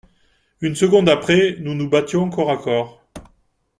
Une seconde après, nous nous battions corps à corps.